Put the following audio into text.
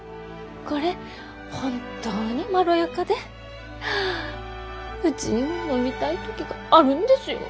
これ本当にまろやかでうちにも飲みたい時があるんですよ。